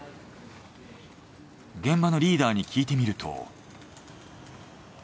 現場のリーダーに聞いてみると。